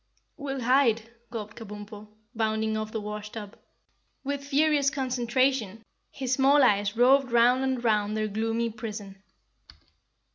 "We'll hide!" gulped Kabumpo, bounding off the wash tub. With furious concentration his small eyes roved round and round their gloomy prison.